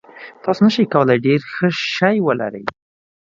تاسو نشئ کولی ډیر ښه شی ولرئ.